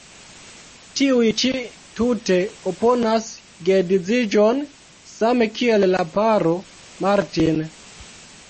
Tiuj ĉi tute oponas geedziĝon, same kiel la paro Martin.